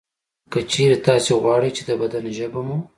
که چېرې تاسې غواړئ چې د بدن ژبه مو